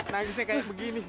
nangisnya kayak begini